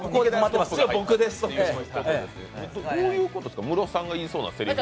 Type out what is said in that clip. どういうことですか、ムロさんが言いそうなせりふって？